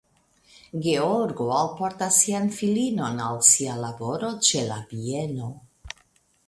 Georgo alportas sian filinon al sia laboro ĉe la bieno.